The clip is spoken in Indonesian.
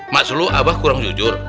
mas lu abah kurang jujur